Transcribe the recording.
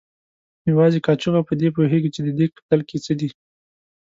یوازې کاچوغه په دې پوهېږي چې د دیګ په تل کې څه دي.